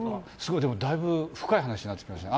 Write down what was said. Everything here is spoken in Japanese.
だいぶ深い話になってきましたね。